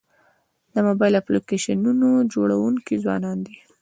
د موبایل اپلیکیشنونو جوړونکي ځوانان دي.